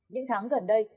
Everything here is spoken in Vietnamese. những tháng gần đây